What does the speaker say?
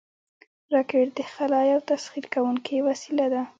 راکټ د خلا یو تسخیر کوونکی وسیله ده